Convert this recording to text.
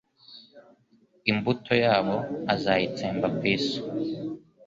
Imbuto yabo uzayitsemba ku isi